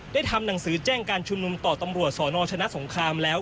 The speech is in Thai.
ทำหนังสือแจ้งการชุมนุมต่อตำรวจสนชนะสงครามแล้ว